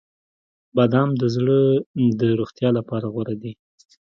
• بادام د زړه د روغتیا لپاره غوره دي.